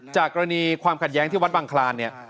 จากกรณีความขัดแย้งที่วัดบังคลานเนี่ย